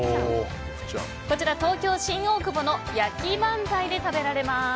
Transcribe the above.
こちら東京・新大久保のヤキバンザイで食べられます。